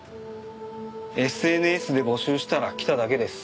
ＳＮＳで募集したら来ただけです。